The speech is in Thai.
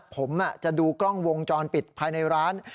ผมจะดูกล้องวงจรปิดภายในร้าน